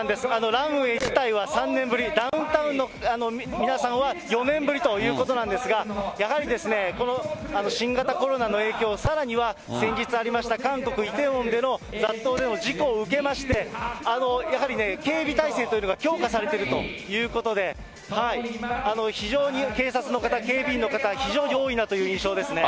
ランウェイ自体は３年ぶり、ダウンタウンの皆さんは４年ぶりということなんですが、やはりこの新型コロナの影響、さらには先日ありました韓国・イテウォンでの雑踏での事故を受けまして、やはりね、警備態勢というのが強化されているということで、非常に警察の方、警備員の方、非常に多いなという印象ですね。